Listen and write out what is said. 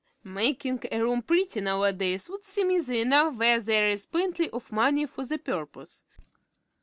Making a room pretty nowadays would seem easy enough where there is plenty of money for the purpose.